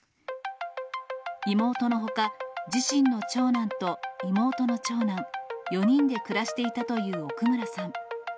妹のほか、自身の長男と妹の長男、４人で暮らしていたという奥村さん。